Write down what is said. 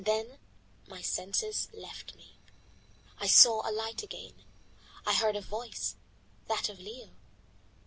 Then my senses left me. I saw a light again. I heard a voice, that of Leo.